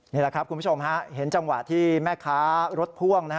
นี่แหละครับคุณผู้ชมเห็นจังหวะที่แม่ค้ารถพ่วง